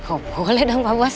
oh boleh dong pak bos